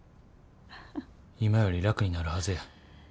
今より楽になるはずや。